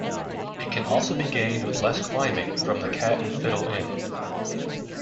It can also be gained with less climbing from the Cat and Fiddle Inn.